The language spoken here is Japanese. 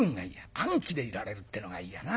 安気でいられるってのがいいやな。